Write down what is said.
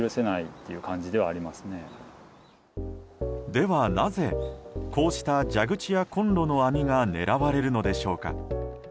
ではなぜ、こうした蛇口やコンロの網が狙われるのでしょうか。